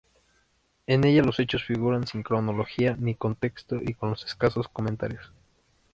En ella los hechos figuran sin cronología ni contexto y con escasos comentarios.